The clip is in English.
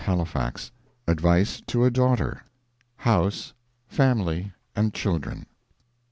HOUSE, 20 Advice to a Daughter. HOUSE, FAMILY, and CHILDREN.